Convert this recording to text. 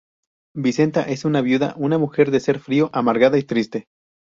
Vicenta es una viuda, una mujer de ser frío, amargada y triste.